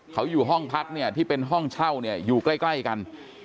เขาอยู่ห้องพักที่เป็นห้องเช่าอยู่ใกล้กัน